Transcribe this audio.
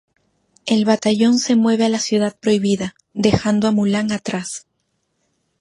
El batallón se mueve a la Ciudad Prohibida, dejando a Mulan atrás.